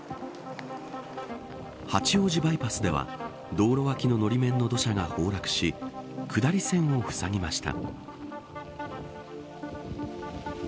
八王子バイパスでは道路脇ののり面の土砂が崩落し下り線をふさぎました。